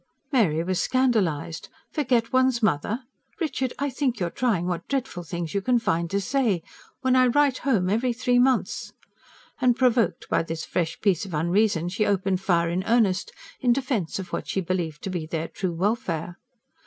Mary was scandalised. "Forget one's mother? ... Richard! I think you're trying what dreadful things you can find to say ... when I write home every three months!" And provoked by this fresh piece of unreason she opened fire in earnest, in defence of what she believed to be their true welfare.